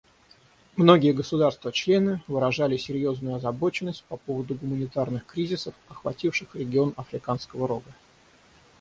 Многие государства-члены выражали серьезную озабоченность по поводу гуманитарных кризисов, охвативших регион Африканского Рога.